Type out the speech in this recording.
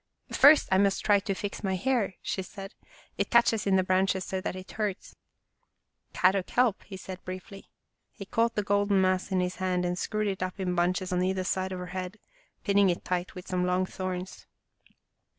" First I must try to fix my hair," she said. " It catches in the branches so that it hurts." " Kadok help," he said briefly. He caught the golden mass in his hand and screwed it up in bunches on either side of her head, pinning it tight with some long thorns.